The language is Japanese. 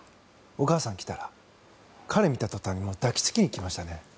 お母さんが来たら彼を見た途端抱き着きに来ましたね。